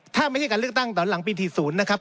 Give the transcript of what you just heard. ถ้าไม่ใช่การเลือกตั้งตอนหลังปี๔๐นะครับ